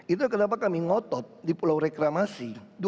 itu kenapa kami ngotot di pulau reklamasi